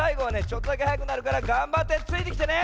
ちょっとだけはやくなるからがんばってついてきてね！